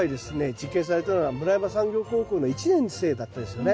実験されたのは村山産業高校の１年生だったんですよね。